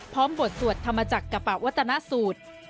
พร้อมบบทตรวจธรรมจักรกระเป๋าวัฒนาสูตร